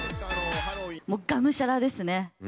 もうがむしゃらですね。